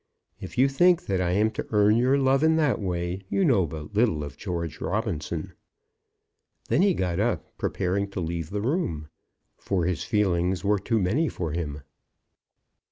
If you think that I am to earn your love in that way, you know but little of George Robinson." Then he got up, preparing to leave the room, for his feelings were too many for him.